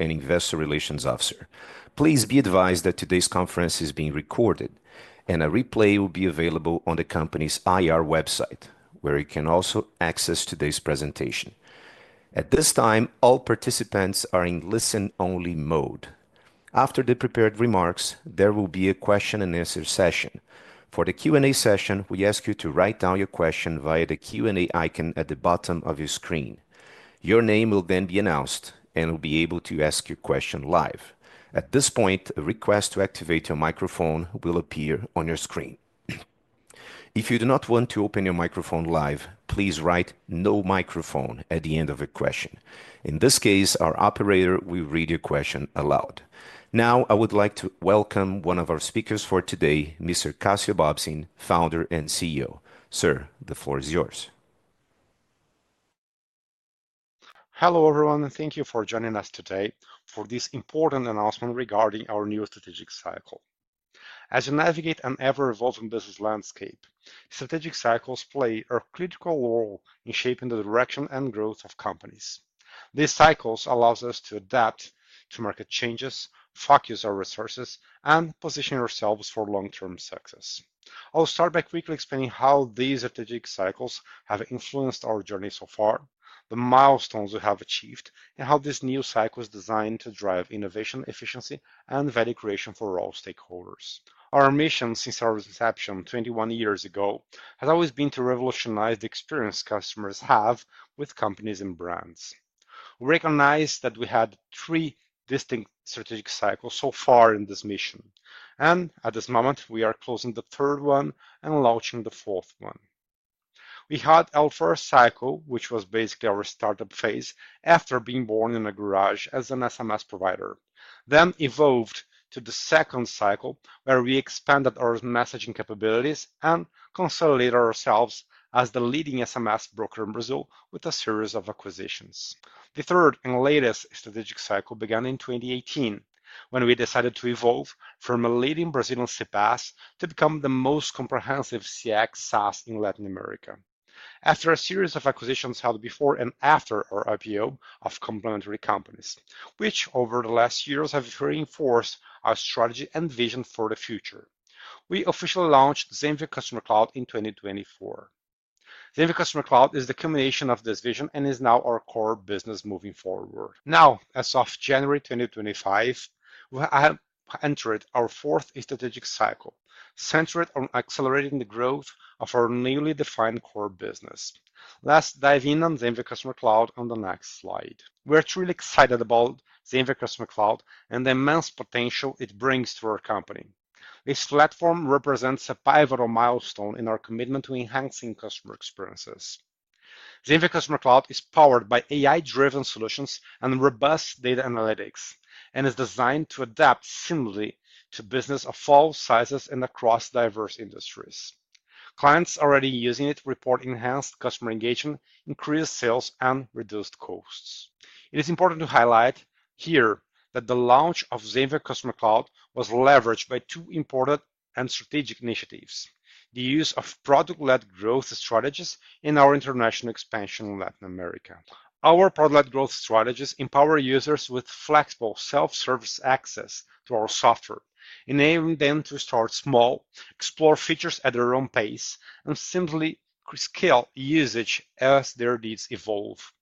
An Investor Relations Officer. Please be advised that today's conference is being recorded, and a replay will be available on the company's IR website, where you can also access today's presentation. At this time, all participants are in listen-only mode. After the prepared remarks, there will be a question-and-answer session. For the Q&A session, we ask you to write down your question via the Q&A icon at the bottom of your screen. Your name will then be announced, and you'll be able to ask your question live. At this point, a request to activate your microphone will appear on your screen. If you do not want to open your microphone live, please write "No microphone" at the end of your question. In this case, our operator will read your question aloud. Now, I would like to welcome one of our speakers for today, Mr. Cassio Bobsin, Founder and CEO. Sir, the floor is yours. Hello everyone, and thank you for joining us today for this important announcement regarding our new strategic cycle. As you navigate an ever-evolving business landscape, strategic cycles play a critical role in shaping the direction and growth of companies. These cycles allow us to adapt to market changes, focus our resources, and position ourselves for long-term success. I'll start by quickly explaining how these strategic cycles have influenced our journey so far, the milestones we have achieved, and how this new cycle is designed to drive innovation, efficiency, and value creation for all stakeholders. Our mission since our inception 21 years ago has always been to revolutionize the experience customers have with companies and brands. We recognize that we had three distinct strategic cycles so far in this mission, and at this moment, we are closing the third one and launching the fourth one. We had our first cycle, which was basically our startup phase, after being born in a garage as an SMS provider, then evolved to the second cycle, where we expanded our messaging capabilities and consolidated ourselves as the leading SMS broker in Brazil with a series of acquisitions. The third and latest strategic cycle began in 2018, when we decided to evolve from a leading Brazilian CPaaS to become the most comprehensive CX SaaS in Latin America, after a series of acquisitions held before and after our IPO of complementary companies, which over the last years have reinforced our strategy and vision for the future. We officially launched Zenvia Customer Cloud in 2024. Zenvia Customer Cloud is the culmination of this vision and is now our core business moving forward. Now, as of January 2025, we have entered our fourth strategic cycle, centered on accelerating the growth of our newly defined core business. Let's dive in on Zenvia Customer Cloud on the next slide. We are truly excited about Zenvia Customer Cloud and the immense potential it brings to our company. This platform represents a pivotal milestone in our commitment to enhancing customer experiences. Zenvia Customer Cloud is powered by AI-driven solutions and robust data analytics, and is designed to adapt seamlessly to business of all sizes and across diverse industries. Clients already using it report enhanced customer engagement, increased sales, and reduced costs. It is important to highlight here that the launch of Zenvia Customer Cloud was leveraged by two important and strategic initiatives: the use of product-led growth strategies and our international expansion in Latin America. Our product-led growth strategies empower users with flexible self-service access to our software, enabling them to start small, explore features at their own pace, and simply scale usage as their needs evolve.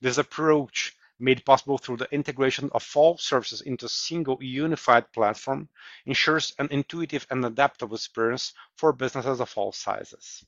This approach, made possible through the integration of all services into a single unified platform, ensures an intuitive and adaptable experience for businesses of all sizes.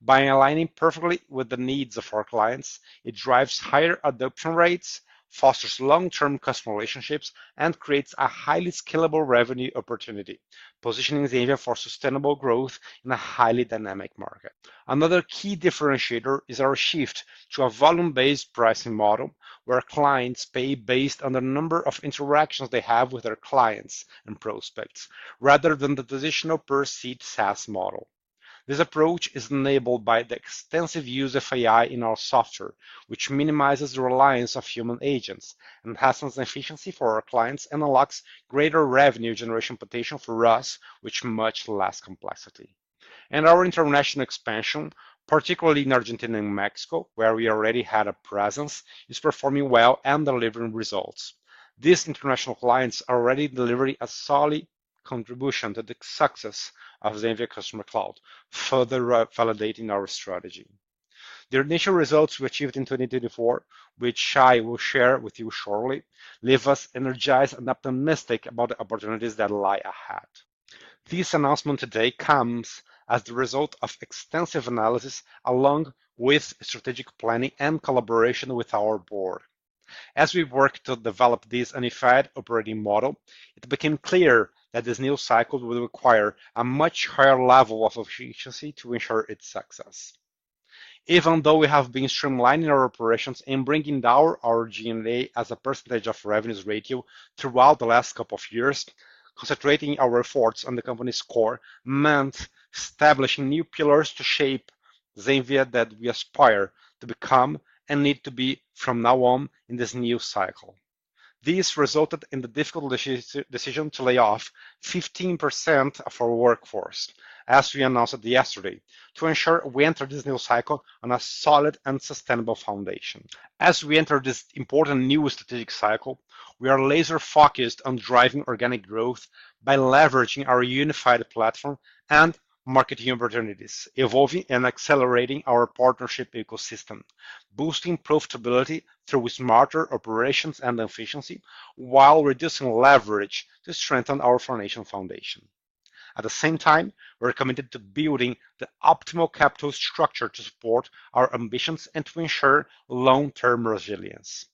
By aligning perfectly with the needs of our clients, it drives higher adoption rates, fosters long-term customer relationships, and creates a highly scalable revenue opportunity, positioning Zenvia for sustainable growth in a highly dynamic market. Another key differentiator is our shift to a volume-based pricing model, where clients pay based on the number of interactions they have with their clients and prospects, rather than the traditional per-seat SaaS model. This approach is enabled by the extensive use of AI in our software, which minimizes the reliance on human agents and enhances efficiency for our clients and unlocks greater revenue generation potential for us, which is much less complex, and our international expansion, particularly in Argentina and Mexico, where we already had a presence, is performing well and delivering results. These international clients are already delivering a solid contribution to the success of Zenvia Customer Cloud, further validating our strategy. The initial results we achieved in 2024, which I will share with you shortly, leave us energized and optimistic about the opportunities that lie ahead. This announcement today comes as the result of extensive analysis along with strategic planning and collaboration with our board. As we work to develop this unified operating model, it became clear that this new cycle would require a much higher level of efficiency to ensure its success. Even though we have been streamlining our operations and bringing down our G&A as a percentage of revenues ratio throughout the last couple of years, concentrating our efforts on the company's core meant establishing new pillars to shape Zenvia that we aspire to become and need to be from now on in this new cycle. This resulted in the difficult decision to lay off 15% of our workforce, as we announced yesterday, to ensure we enter this new cycle on a solid and sustainable foundation. As we enter this important new strategic cycle, we are laser-focused on driving organic growth by leveraging our unified platform and marketing opportunities, evolving and accelerating our partnership ecosystem, boosting profitability through smarter operations and efficiency, while reducing leverage to strengthen our foundation. At the same time, we're committed to building the optimal capital structure to support our ambitions and to ensure long-term resilience.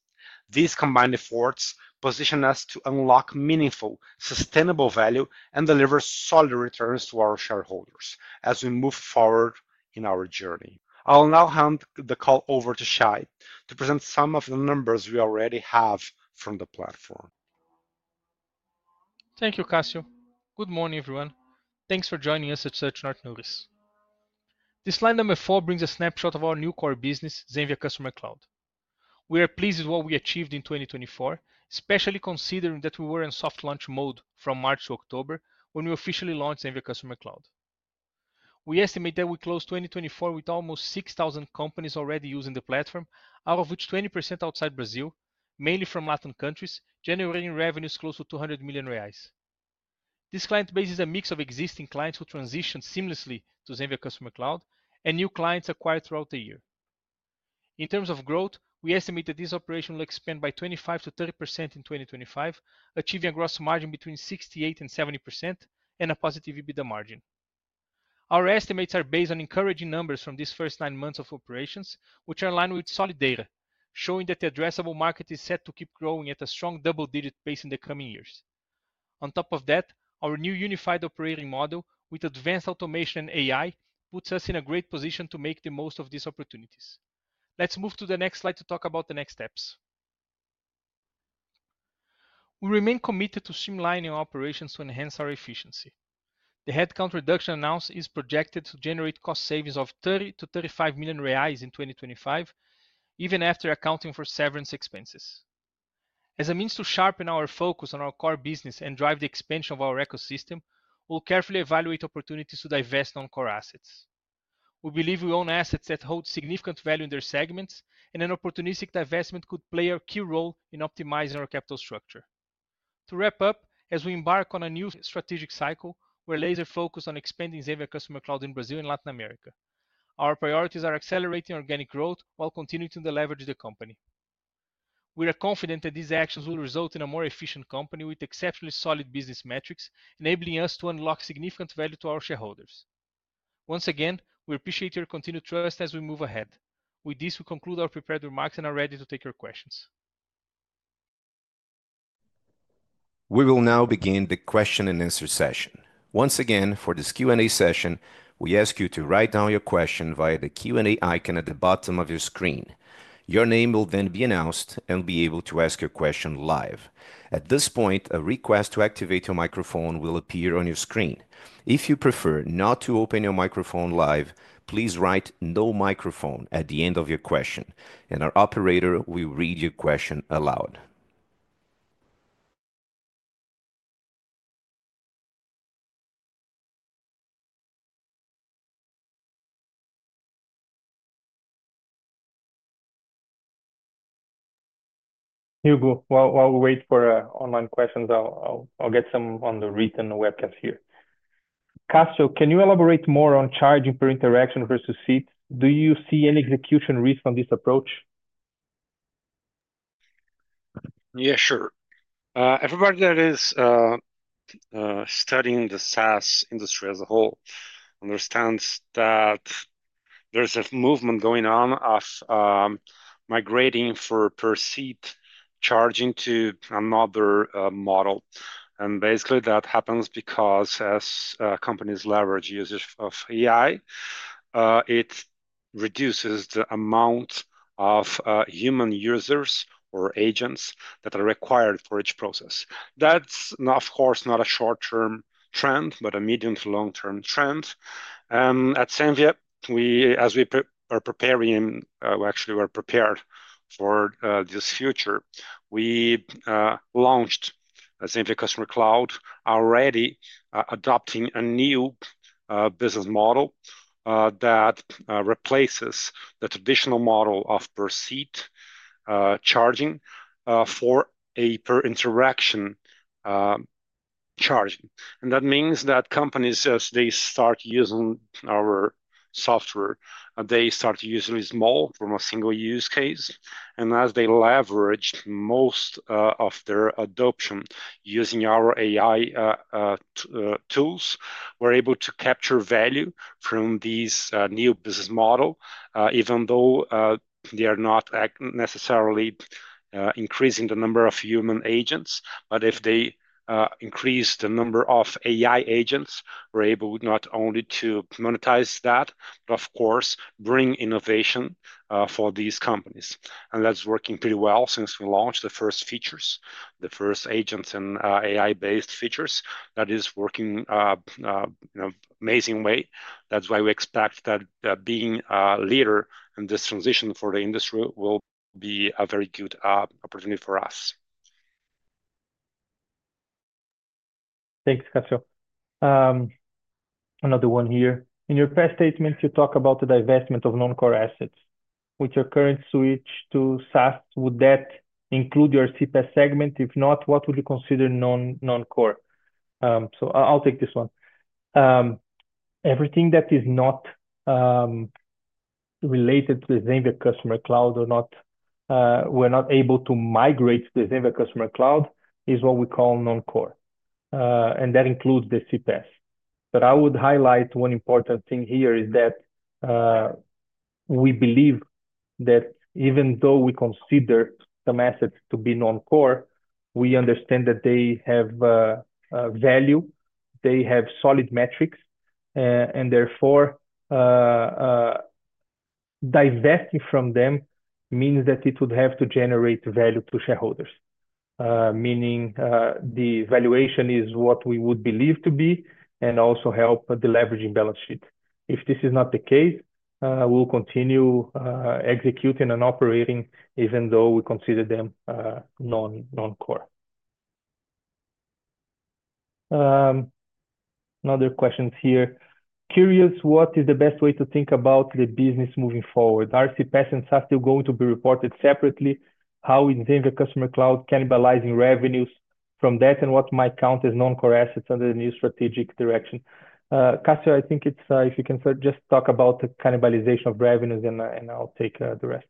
These combined efforts position us to unlock meaningful, sustainable value and deliver solid returns to our shareholders as we move forward in our journey. I'll now hand the call over to Shay to present some of the numbers we already have from the platform. Thank you, Cassio. Good morning, everyone. Thanks for joining us at such short notice. This slide number four brings a snapshot of our new core business, Zenvia Customer Cloud. We are pleased with what we achieved in 2024, especially considering that we were in soft launch mode from March to October when we officially launched Zenvia Customer Cloud. We estimate that we closed 2024 with almost 6,000 companies already using the platform, out of which 20% outside Brazil, mainly from Latin countries, generating revenues close to 200 million reais. This client base is a mix of existing clients who transitioned seamlessly to Zenvia Customer Cloud and new clients acquired throughout the year. In terms of growth, we estimate that this operation will expand by 25%-30% in 2025, achieving a gross margin between 68% and 70% and a positive EBITDA margin. Our estimates are based on encouraging numbers from these first nine months of operations, which are aligned with solid data, showing that the addressable market is set to keep growing at a strong double-digit pace in the coming years. On top of that, our new unified operating model with advanced automation and AI puts us in a great position to make the most of these opportunities. Let's move to the next slide to talk about the next steps. We remain committed to streamlining our operations to enhance our efficiency. The headcount reduction announced is projected to generate cost savings of 30 million-35 million reais in 2025, even after accounting for severance expenses. As a means to sharpen our focus on our core business and drive the expansion of our ecosystem, we'll carefully evaluate opportunities to divest non-core assets. We believe we own assets that hold significant value in their segments, and an opportunistic divestment could play a key role in optimizing our capital structure. To wrap up, as we embark on a new strategic cycle, we're laser-focused on expanding Zenvia Customer Cloud in Brazil and Latin America. Our priorities are accelerating organic growth while continuing to leverage the company. We are confident that these actions will result in a more efficient company with exceptionally solid business metrics, enabling us to unlock significant value to our shareholders. Once again, we appreciate your continued trust as we move ahead. With this, we conclude our prepared remarks and are ready to take your questions We will now begin the question and answer session. Once again, for this Q&A session, we ask you to write down your question via the Q&A icon at the bottom of your screen. Your name will then be announced, and you'll be able to ask your question live. At this point, a request to activate your microphone will appear on your screen. If you prefer not to open your microphone live, please write "No microphone" at the end of your question, and our operator will read your question aloud. Hugo, while we wait for online questions, I'll get some on the written webcast here. Cassio, can you elaborate more on charging per interaction versus seat? Do you see any execution risk on this approach? Yeah, sure. Everybody that is studying the SaaS industry as a whole understands that there's a movement going on of migrating from per-seat charging to another model, and basically, that happens because as companies leverage usage of AI, it reduces the amount of human users or agents that are required for each process. That's not, of course, a short-term trend, but a medium to long-term trend, and at Zenvia, as we are preparing, actually we're prepared for this future, we launched Zenvia Customer Cloud, already adopting a new business model that replaces the traditional model of per-seat charging for a per-interaction charging, and that means that companies, as they start using our software, they start using small from a single use case. As they leverage most of their adoption using our AI tools, we're able to capture value from this new business model, even though they are not necessarily increasing the number of human agents. If they increase the number of AI agents, we're able not only to monetize that, but of course, bring innovation for these companies. That's working pretty well since we launched the first features, the first agents and AI-based features that is working in an amazing way. That's why we expect that being a leader in this transition for the industry will be a very good opportunity for us. Thanks, Cassio. Another one here. In your press statement, you talk about the divestment of non-core assets. With your current switch to SaaS, would that include your CPaaS segment? If not, what would you consider non-core? So I'll take this one. Everything that is not related to the Zenvia Customer Cloud or not, we're not able to migrate to the Zenvia Customer Cloud is what we call non-core. And that includes the CPaaS. But I would highlight one important thing here is that we believe that even though we consider some assets to be non-core, we understand that they have value, they have solid metrics, and therefore, divesting from them means that it would have to generate value to shareholders, meaning the valuation is what we would believe to be and also help the leveraging balance sheet. If this is not the case, we'll continue executing and operating even though we consider them non-core. Another question here. Curious what is the best way to think about the business moving forward? Are CPaaS and SaaS still going to be reported separately? How is Zenvia Customer Cloud cannibalizing revenues from that, and what might count as non-core assets under the new strategic direction? Cassio, I think it's, if you can just talk about the cannibalization of revenues, and I'll take the rest.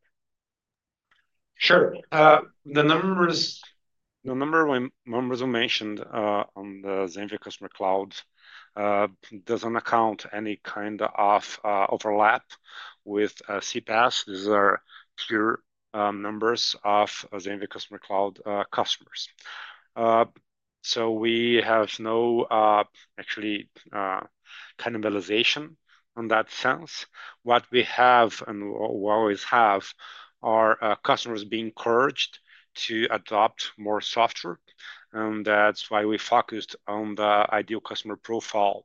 Sure. The numbers we mentioned on the Zenvia Customer Cloud doesn't account for any kind of overlap with CPaaS. These are pure numbers of Zenvia Customer Cloud customers. So we have no actually cannibalization in that sense. What we have and will always have are customers being encouraged to adopt more software. And that's why we focused on the ideal customer profile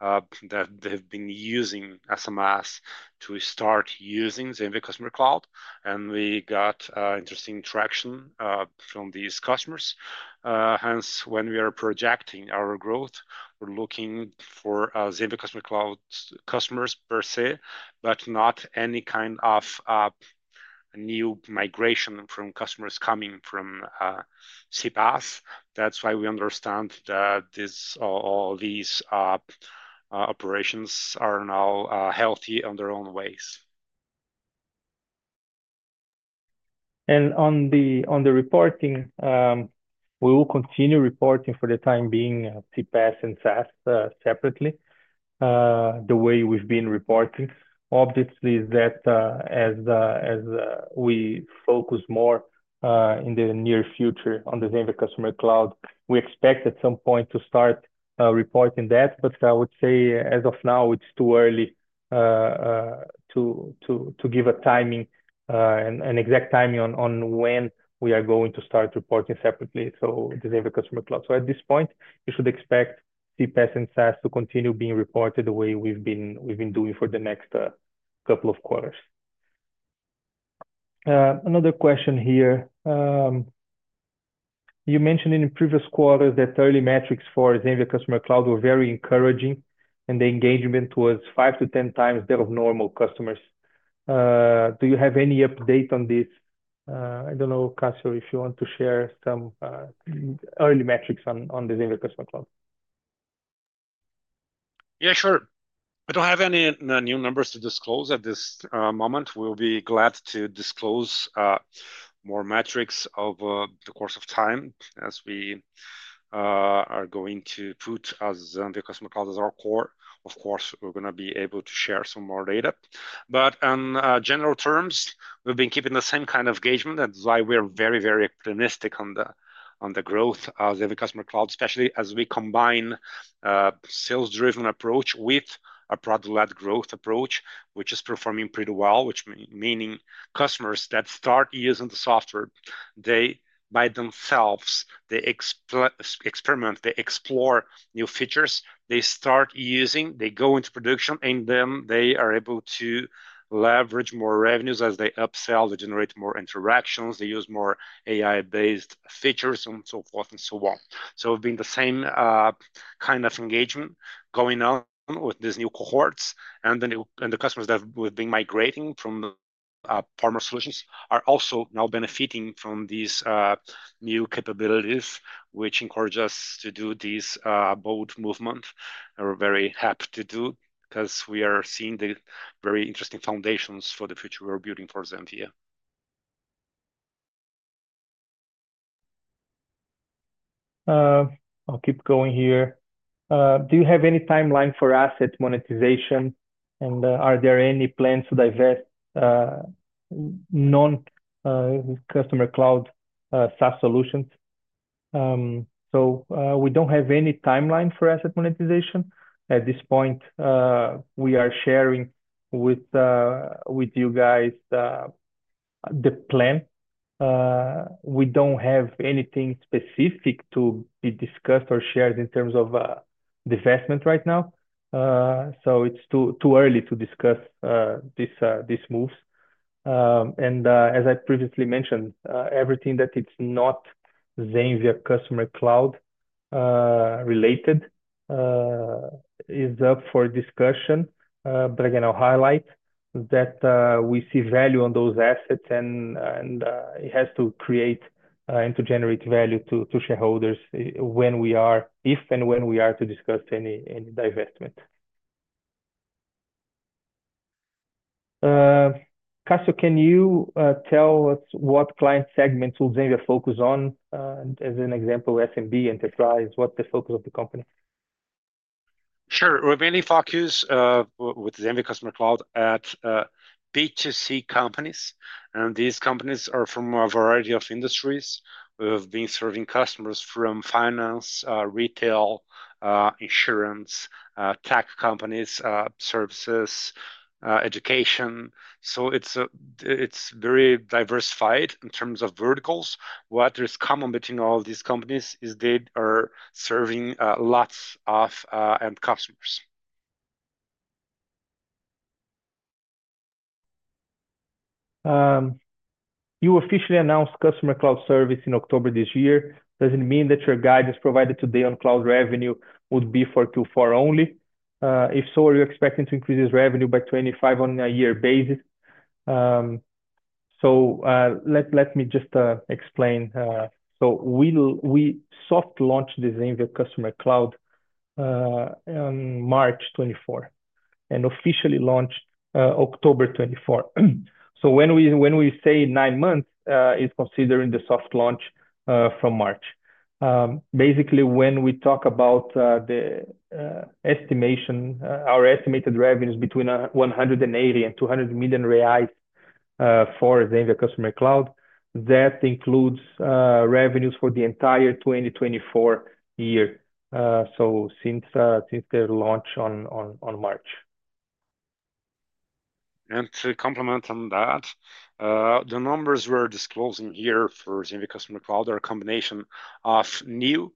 that they've been using SMS to start using Zenvia Customer Cloud. And we got interesting traction from these customers. Hence, when we are projecting our growth, we're looking for Zenvia Customer Cloud customers per se, but not any kind of new migration from customers coming from CPaaS. That's why we understand that all these operations are now healthy in their own ways. On the reporting, we will continue reporting for the time being CPaaS and SaaS separately. The way we've been reporting, obviously, is that as we focus more in the near future on the Zenvia Customer Cloud, we expect at some point to start reporting that. I would say as of now, it's too early to give an exact timing on when we are going to start reporting separately for the Zenvia Customer Cloud. At this point, you should expect CPaaS and SaaS to continue being reported the way we've been doing for the next couple of quarters. Another question here. You mentioned in the previous quarter that early metrics for Zenvia Customer Cloud were very encouraging, and the engagement was five to ten times that of normal customers. Do you have any update on this? I don't know, Cassio, if you want to share some early metrics on the Zenvia Customer Cloud? Yeah, sure. I don't have any new numbers to disclose at this moment. We'll be glad to disclose more metrics over the course of time as we are going to put Zenvia Customer Cloud as our core. Of course, we're going to be able to share some more data. But in general terms, we've been keeping the same kind of engagement. That's why we're very, very optimistic on the growth of Zenvia Customer Cloud, especially as we combine a sales-driven approach with a product-led growth approach, which is performing pretty well, which means customers that start using the software, they by themselves, they experiment, they explore new features. They start using, they go into production, and then they are able to leverage more revenues as they upsell, they generate more interactions, they use more AI-based features, and so forth and so on. So we've been the same kind of engagement going on with these new cohorts. And the customers that we've been migrating from former solutions are also now benefiting from these new capabilities, which encourage us to do this bold movement. We're very happy to do because we are seeing the very interesting foundations for the future we're building for Zenvia. I'll keep going here. Do you have any timeline for asset monetization, and are there any plans to divest non-Customer Cloud SaaS solutions? So we don't have any timeline for asset monetization. At this point, we are sharing with you guys the plan. We don't have anything specific to be discussed or shared in terms of divestment right now. So it's too early to discuss these moves. And as I previously mentioned, everything that is not Zenvia Customer Cloud related is up for discussion. But again, I'll highlight that we see value on those assets, and it has to create and to generate value to shareholders when we are, if and when we are to discuss any divestment. Cassio, can you tell us what client segments will Zenvia focus on? As an example, SMB, enterprise, what's the focus of the company? Sure. We've mainly focused with Zenvia Customer Cloud at B2C companies. And these companies are from a variety of industries. We've been serving customers from finance, retail, insurance, tech companies, services, education. So it's very diversified in terms of verticals. What is common between all these companies is they are serving lots of end customers. You officially announced customer cloud service in October this year. Does it mean that your guidance provided today on cloud revenue would be for 2024 only? If so, are you expecting to increase this revenue by 2025 on a year basis? So let me just explain. So we soft launched the Zenvia Customer Cloud on March 24 and officially launched October 24. So when we say nine months, it's considering the soft launch from March. Basically, when we talk about our estimated revenues between 180 million and 200 million reais for Zenvia Customer Cloud, that includes revenues for the entire 2024 year, so since their launch on March. And to comment on that, the numbers we're disclosing here for Zenvia Customer Cloud are a combination of newly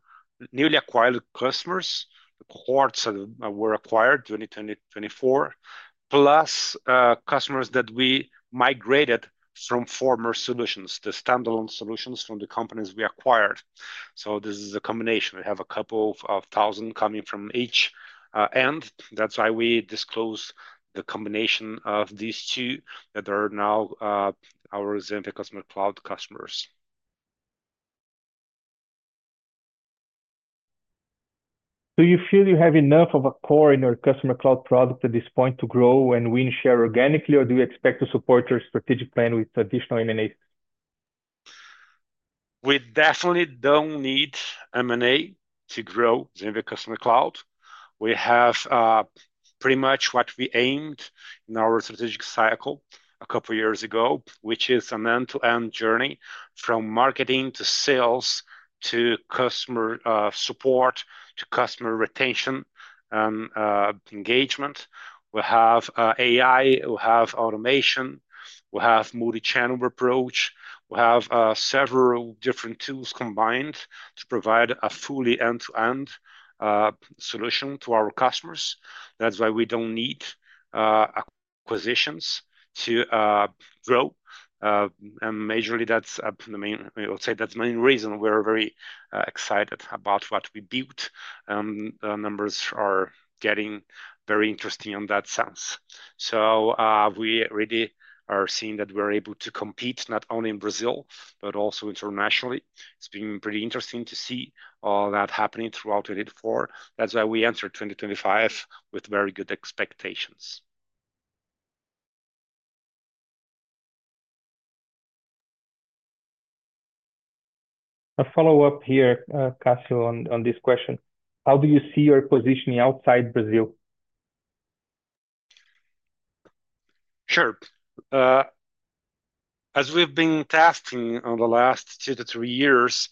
acquired customers, cohorts that were acquired in 2024, plus customers that we migrated from former solutions, the standalone solutions from the companies we acquired. So this is a combination. We have a couple of thousand coming from each end. That's why we disclose the combination of these two that are now our Zenvia Customer Cloud customers. Do you feel you have enough of a core in your Customer Cloud product at this point to grow and win share organically, or do you expect to support your strategic plan with additional M&As? We definitely don't need M&A to grow Zenvia Customer Cloud. We have pretty much what we aimed in our strategic cycle a couple of years ago, which is an end-to-end journey from marketing to sales to customer support to customer retention and engagement. We have AI, we have automation, we have multi-channel approach, we have several different tools combined to provide a fully end-to-end solution to our customers. That's why we don't need acquisitions to grow, and majorly, I would say that's the main reason we're very excited about what we built, and the numbers are getting very interesting in that sense, so we really are seeing that we're able to compete not only in Brazil, but also internationally. It's been pretty interesting to see all that happening throughout 2024. That's why we entered 2025 with very good expectations. A follow-up here, Cassio, on this question. How do you see your positioning outside Brazil? Sure. As we've been testing in the last two to three years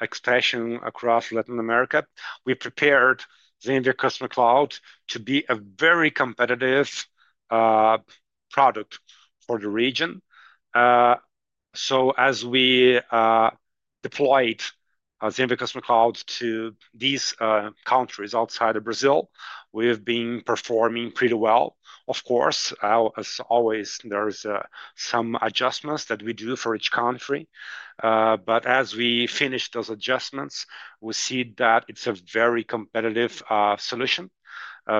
expansion across Latin America, we prepared Zenvia Customer Cloud to be a very competitive product for the region. So as we deployed Zenvia Customer Cloud to these countries outside of Brazil, we've been performing pretty well. Of course, as always, there are some adjustments that we do for each country. But as we finish those adjustments, we see that it's a very competitive solution.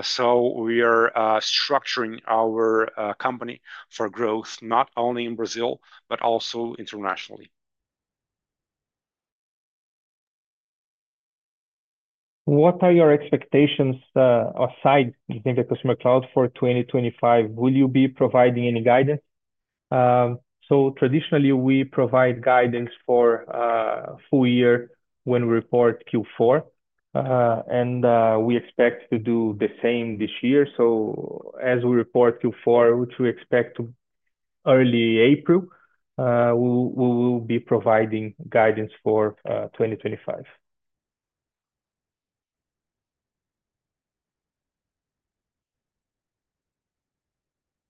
So we are structuring our company for growth not only in Brazil, but also internationally. What are your expectations aside from Zenvia Customer Cloud for 2025? Will you be providing any guidance? So traditionally, we provide guidance for full year when we report Q4. And we expect to do the same this year. So as we report Q4, which we expect to early April, we will be providing guidance for 2025.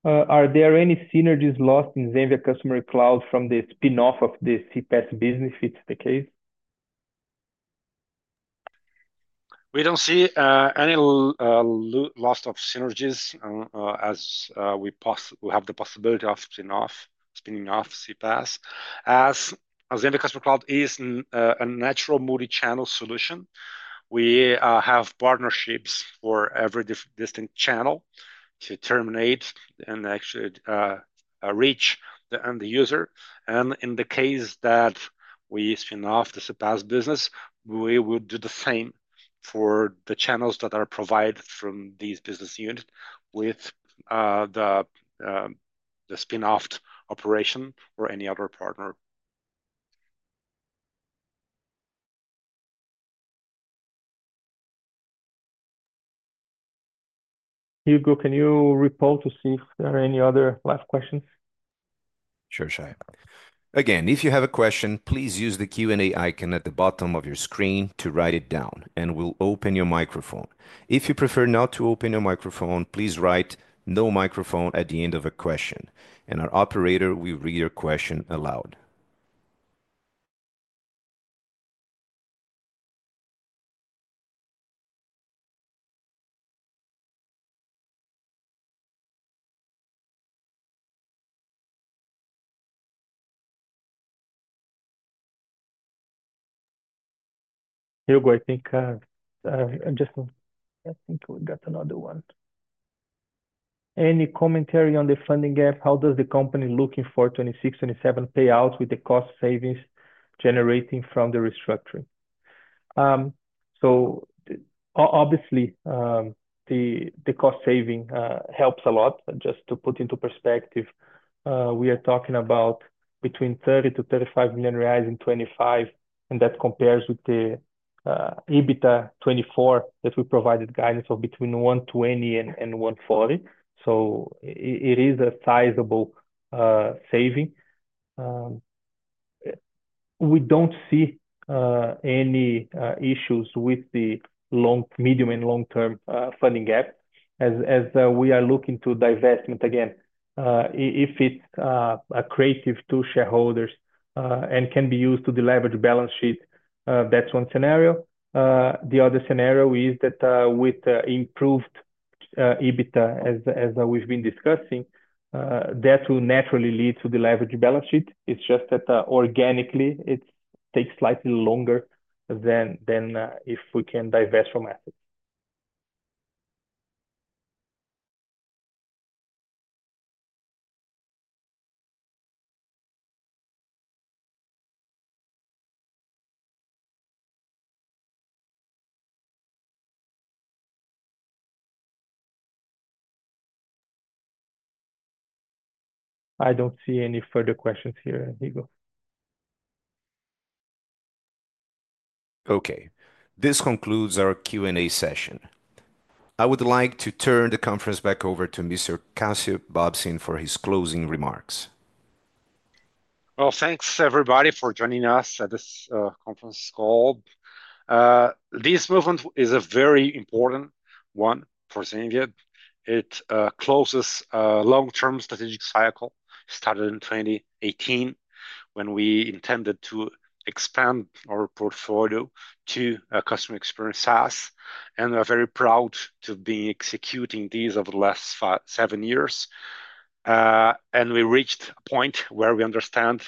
Are there any synergies lost in Zenvia Customer Cloud from the spin-off of the CPaaS business if it's the case? We don't see any loss of synergies as we have the possibility of spin-off CPaaS. As Zenvia Customer Cloud is a natural multi-channel solution, we have partnerships for every distinct channel to terminate and actually reach the end user, and in the case that we spin off the CPaaS business, we would do the same for the channels that are provided from these business units with the spin-off operation or any other partner. Hugo, can you report to see if there are any other last questions? Sure, Shay. Again, if you have a question, please use the Q&A icon at the bottom of your screen to write it down, and we'll open your microphone. If you prefer not to open your microphone, please write "no microphone" at the end of a question, and our operator will read your question aloud. Hugo, I think we got another one. Any commentary on the funding gap? How does the company looking for 2026, 2027 play out with the cost savings generating from the restructuring? So obviously, the cost savings helps a lot. Just to put into perspective, we are talking about between 30 million-35 million reais in 2025, and that compares with the 2024 EBITDA that we provided guidance of between 120 million-140 million. So it is a sizable savings. We don't see any issues with the medium- and long-term funding gap as we are looking to divest again. If it's accretive to shareholders and can be used to deleverage the balance sheet, that's one scenario. The other scenario is that with improved EBITDA, as we've been discussing, that will naturally lead to deleveraging the balance sheet. It's just that organically, it takes slightly longer than if we can divest from assets. I don't see any further questions here, Hugo. Okay. This concludes our Q&A session. I would like to turn the conference back over to Mr. Cassio Bobsin for his closing remarks. Thanks everybody for joining us at this conference call. This movement is a very important one for Zenvia. It closes a long-term strategic cycle started in 2018 when we intended to expand our portfolio to customer experience SaaS. We're very proud to be executing these over the last seven years. We reached a point where we understand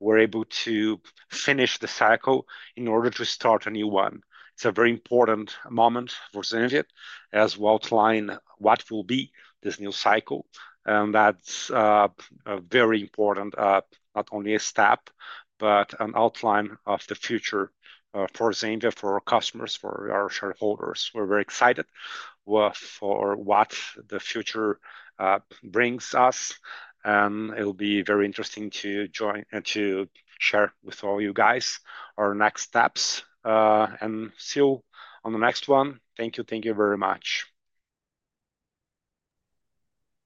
we're able to finish the cycle in order to start a new one. It's a very important moment for Zenvia as we outline what will be this new cycle. That's a very important not only a step, but an outline of the future for Zenvia, for our customers, for our shareholders. We're very excited for what the future brings us. It'll be very interesting to join and to share with all you guys our next steps. See you on the next one. Thank you. Thank you very much.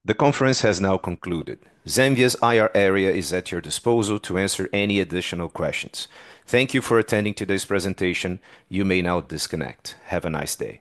The conference has now concluded. Zenvia's IR area is at your disposal to answer any additional questions. Thank you for attending today's presentation. You may now disconnect. Have a nice day.